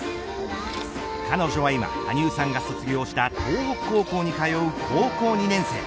彼女は今、羽生さんが卒業した東北高校に通う高校２年生。